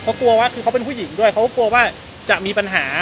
เพราะกลัวว่าคือเขาเป็นผู้หญิงด้วยเขากลัวว่าจะมีปัญหา